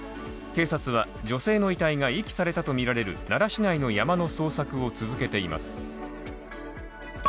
警察は女性の遺体が遺棄されたとみられる奈良市内の山の捜索を続けています。